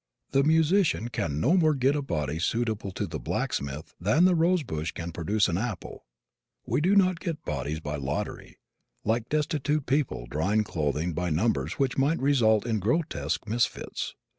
The musician can no more get a body suitable to the blacksmith than the rose bush can produce an apple. We do not get bodies by lottery, like destitute people drawing clothing by numbers which might result in grotesque misfits.